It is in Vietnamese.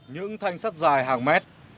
những thanh sắt dài hàng mét